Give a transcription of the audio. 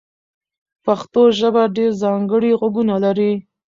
پښتو ژبه ډېر ځانګړي غږونه لري.